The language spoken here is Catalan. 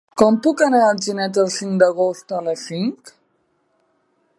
Com puc anar a Alginet el cinc d'agost a les cinc?